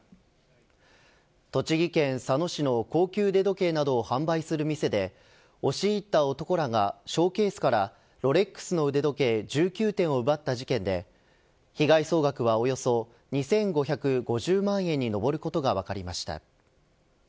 栃木県佐野市の高級腕時計などを販売する店で押し入った男らがショーケースからロレックスの腕時計１９点を奪った事件で被害総額はおよそ２５５０万円に上ることが分かりました。